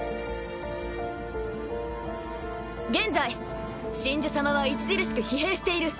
現在神樹様は著しく疲弊している。